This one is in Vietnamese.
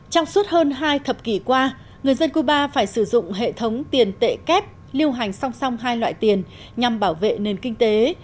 trong suốt hơn hai thập kỷ qua người dân cuba phải sử dụng hệ thống tiền tệ kép lưu hành song song hai loại tiền nhằm bảo vệ nền kinh tế